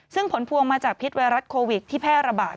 ซึ่งผลพวงมาจากพิษไวรัสโควิดที่แพร่ระบาด